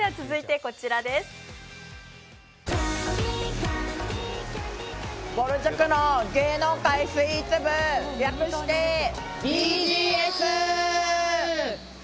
続いて、こちらです。